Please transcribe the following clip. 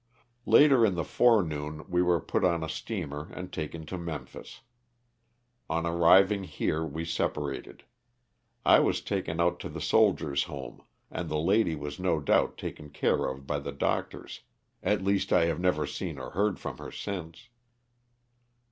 Later in the forenoon we were put on a steamer and taken to Memphis. On arriving here we separated. I was taken out to the Soldiers' Home, and the lady was no doubt taken care of by the doctors, at least I have never seen or heard from her since.